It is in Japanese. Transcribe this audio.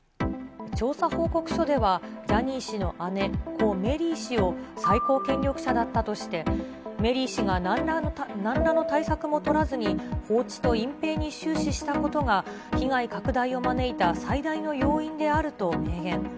調査報告書では、ジャニー氏の姉、故・メリー氏を最高権力者だったとして、メリー氏がなんらの対策も取らずに、放置と隠蔽に終始したことが、被害拡大を招いた最大の要因であると明言。